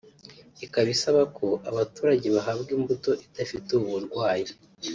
ikaba isaba ko abaturage bahabwa imbuto idafite ubu burwayi